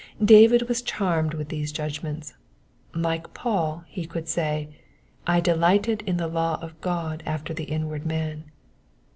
David was charmed with these judgments. Like Paul, he could say, *^ I delight in the law of God after the inward man."